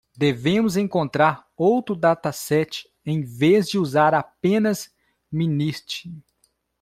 Devemos encontrar outro dataset em vez de usar apenas mnist.